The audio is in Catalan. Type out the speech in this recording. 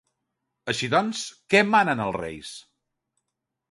Així doncs, què manen els reis?